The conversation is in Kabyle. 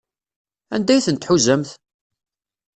Anda ay tent-tḥuzamt?